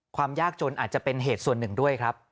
ความยากจนอาจจะเป็นเหตุส่วนหนึ่งด้วยครับ